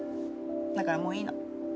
だからもういいの。